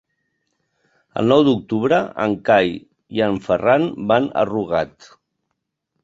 El nou d'octubre en Cai i en Ferran van a Rugat.